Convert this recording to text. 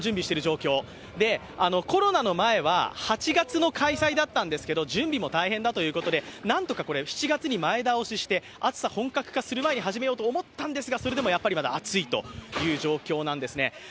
コロナの前は８月の開催だったんですけど、準備も大変だということで、何とか７月に前倒しにして暑さ、本格化する前に始めようということだったんですがそれでもやっぱりまだ暑いという状況なんですね。